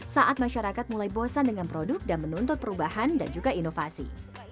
saat masyarakat mulai bosan dengan produk dan menuntut perubahan dan juga inovasi